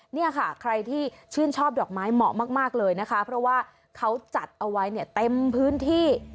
เนี่ยค่ะใครที่ชื่นชอบดอกไม้เหมาะมากเลยนะคะเพราะว่าเขาจัดเอาไว้เนี่ยเต็มพื้นที่